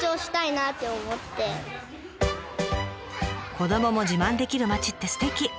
子どもも自慢できる町ってすてき。